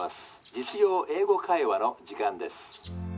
「実用英語会話」の時間です。